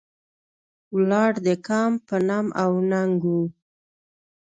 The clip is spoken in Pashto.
ولاړ د کام په نام او ننګ و.